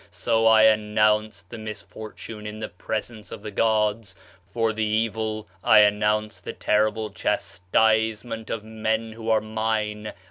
So I announced the misfortune in the presence of the gods, for the evil I announced the terrible [chastisement] of men who are mine.